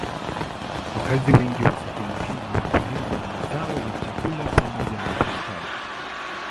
Wakazi wengi wa sehemu hii ni wakulima wa mazao ya chakula pamoja na bustani.